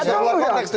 keluar konteks itu